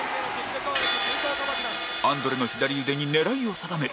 アンドレの左腕に狙いを定める